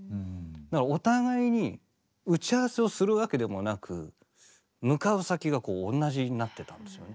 だからお互いに打ち合わせをするわけでもなく向かう先がこう同じになってたんですよね